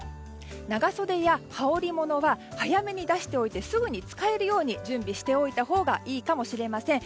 長袖や羽織ものを早めに出しておいてすぐに使えるように準備しておいたほうがいいかもしれません。